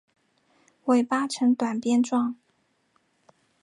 尾巴呈短鞭状。